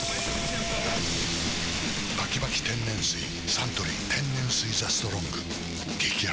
サントリー天然水「ＴＨＥＳＴＲＯＮＧ」激泡